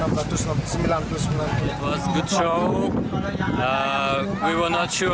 ini adalah pembentukan yang bagus